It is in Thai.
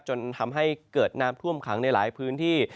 จนทำให้เกิดน้ำท่วมขังในหลายพื้นที่